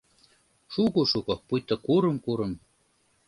Шуко-шуко, пуйто курым-курым.